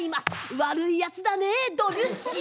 悪いやつだねドビュッシー。